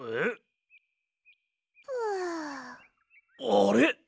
あれ？